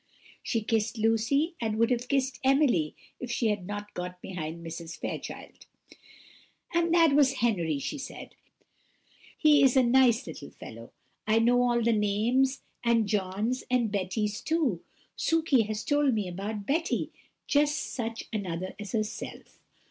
She kissed Lucy, and would have kissed Emily if she had not got behind Mrs. Fairchild. "And that was Henry," she said, "who stood at the gate: he is a nice little fellow! I know all the names, and John's and Betty's too. Sukey has told me about Betty just such another as herself.